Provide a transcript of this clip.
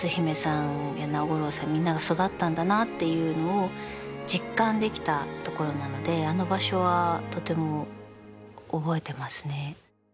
みんなが育ったんだなっていうのを実感できたところなのであの場所はとても覚えてますね。